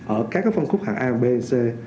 ở các phân khúc hàng a b c